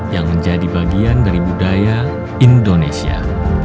yang menjadi bagian dari budaya indonesia